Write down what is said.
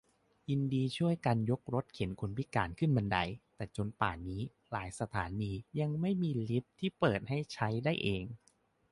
ยินดีช่วยกันยกรถเข็นคนพิการขึ้นบันได -แต่จนป่านนี้ หลายสถานียังไม่มีลิฟต์ที่เปิดให้ใช้ได้เอง